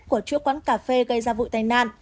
của chủ quán cà phê gây ra vụ tai nạn